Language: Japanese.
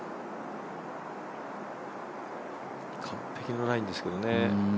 完璧なラインですけどね。